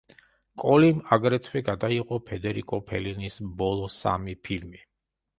კოლიმ აგრეთვე გადაიღო ფედერიკო ფელინის ბოლო სამი ფილმი.